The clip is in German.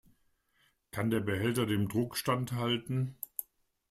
Kann der Behälter dem Druck standhalten?